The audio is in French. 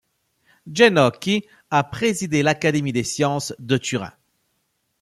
Genocchi a présidé l'Académie des sciences de Turin.